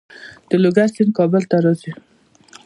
د لوګر سیند کابل ته راځي